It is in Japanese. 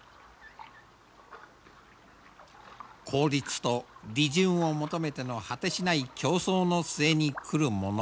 効率と利潤を求めての果てしない競争の末に来るもの。